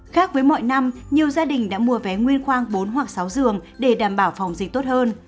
khác với mọi năm nhiều gia đình đã mua vé nguyên khoang bốn hoặc sáu giường để đảm bảo phòng dịch tốt hơn